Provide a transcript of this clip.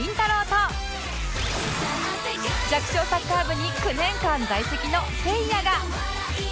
と弱小サッカー部に９年間在籍のせいやが